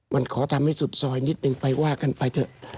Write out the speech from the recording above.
มันขอทำให้สุดซอยนิดนึงไปว่ากันไปเถอะ